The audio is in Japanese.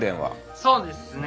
そうですね。